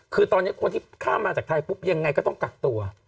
คือตอนนี้คนที่ข้ามมาจากไทยปุ๊บยังไงก็ต้องกักตัว